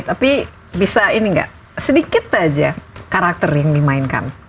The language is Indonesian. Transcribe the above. tapi bisa ini nggak sedikit aja karakter yang dimainkan